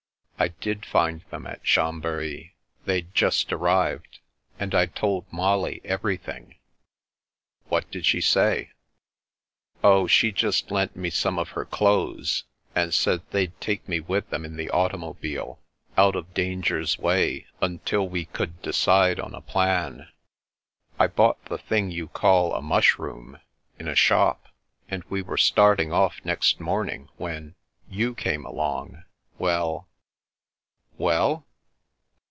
I did find them at Chambery. They'd just arrived, and I told Molly everything." "What did she say?" " Oh, she just lent me some of her clothes, and said they'd take me with them in the automobile, out of danger's way until we could decide on a plan. I bought the thing you call a 'mushroom' in a The Boy's Sister 367 shop, and we were starting off next morning when — ^you came along. Well " "Well?"